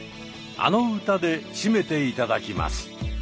あの歌で締めて頂きます！